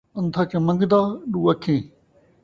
ان٘دھا چمن٘گدا ݙو اکھیں